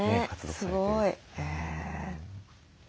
すごい。